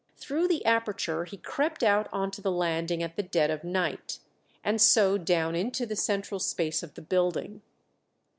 Through the aperture he crept out on to the landing at the dead of night, and so down into the central space of the building.